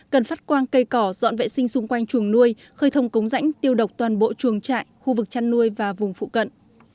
cần phát quang cây cỏ dọn vệ sinh xung quanh chuồng nuôi khơi thông cống rãnh tiêu độc toàn bộ chuồng trại khu vực chăn nuôi và vùng phụ cận